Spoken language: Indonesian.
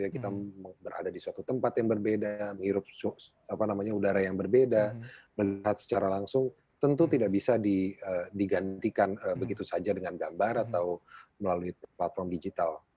kita berada di suatu tempat yang berbeda menghirup udara yang berbeda melihat secara langsung tentu tidak bisa digantikan begitu saja dengan gambar atau melalui platform digital